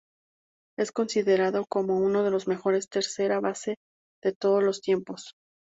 Está considerado como uno de los mejores tercera base de todos los tiempos.